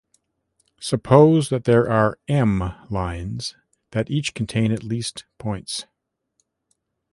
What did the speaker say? Suppose that there are "m" lines that each contain at least points.